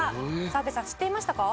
「澤部さん知っていましたか？」